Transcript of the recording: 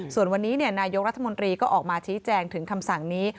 ส่วนวันนี้นายกรัฐมนตรีก็ออกมาชี้แจงถึงคำสั่งนี้